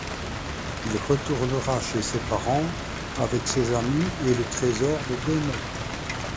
Il retournera chez ses parents avec ses amis et le trésor des démons.